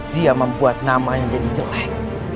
dia membuat nama yang jadi jelek